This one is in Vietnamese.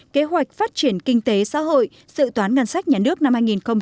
kế hoạch phát triển kinh tế xã hội sự toán ngân sách nhà nước năm hai nghìn một mươi bảy